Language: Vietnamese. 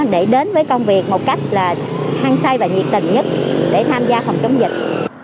để đến với công việc một cách là hăng say và nhiệt tình nhất để tham gia phòng chống dịch